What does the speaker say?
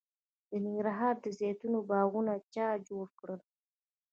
د ننګرهار د زیتون باغونه چا جوړ کړل؟